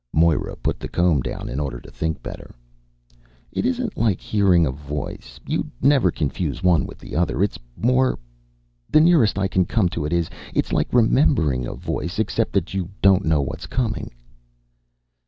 Moira put the comb down in order to think better. "It isn't like hearing a voice. You'd never confuse one with the other. It's more the nearest I can come to it, it's like remembering a voice. Except that you don't know what's coming."